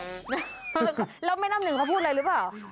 แล้วแม่น้ำหนึ่งเขาพูดอะไรหรือเปล่า